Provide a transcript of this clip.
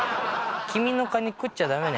君のカニ食っちゃ駄目ね